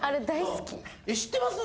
知ってます？